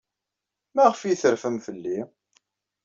Maɣef ay terfam fell-i?